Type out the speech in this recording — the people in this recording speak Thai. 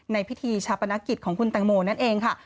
พิธีชาปนกิจของคุณแตงโมนั่นเองค่ะ